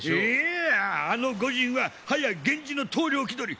いいやあの御仁ははや源氏の棟梁気取り。